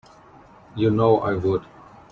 You know I would.